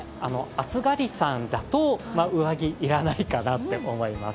暑がりさんだと上着は要らないかなと思います。